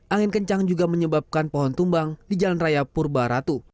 angin kencang juga menyebabkan pohon tumbang di jalan raya purba ratu